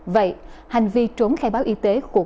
vậy hành vi trốn khai báo y tế của